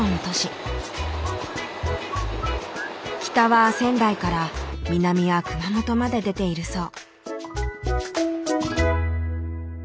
北は仙台から南は熊本まで出ているそう。